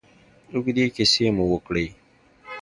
اوږدې کیسې مو وکړې.